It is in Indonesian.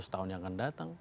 seratus tahun yang akan datang